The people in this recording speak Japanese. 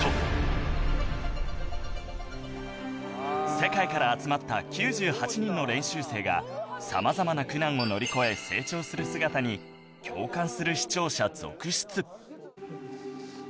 世界から集まった９８人の練習生が様々な苦難を乗り越え成長する姿に共感する視聴者続出